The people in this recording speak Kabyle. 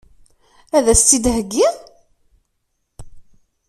Ad as-tt-id-heggiɣ?